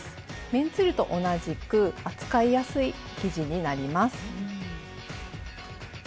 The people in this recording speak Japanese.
綿ツイルと同じく扱いやすい生地になります。